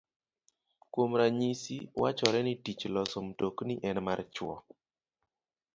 Kuom ranyisi, wachoro ni tich loso mtokni en mar chwo.